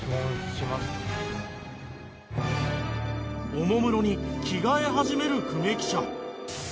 おもむろに着替え始める久米記者。